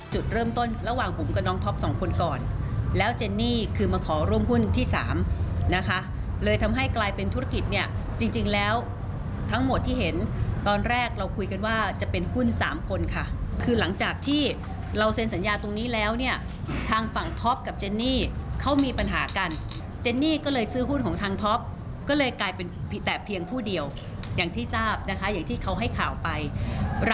จุดเริ่มต้นระหว่างผมกับน้องท็อปสองคนก่อนแล้วเจนนี่คือมาขอร่วมหุ้นที่สามนะคะเลยทำให้กลายเป็นธุรกิจเนี่ยจริงแล้วทั้งหมดที่เห็นตอนแรกเราคุยกันว่าจะเป็นหุ้นสามคนค่ะคือหลังจากที่เราเซ็นสัญญาตรงนี้แล้วเนี่ยทางฝั่งท็อปกับเจนนี่เขามีปัญหากันเจนนี่ก็เลยซื้อหุ้นของทางท็อปก็เลยกลายเป็นแต่เพียงผู้เดียวอย่างที่ทราบนะคะอย่างที่เขาให้ข่าวไป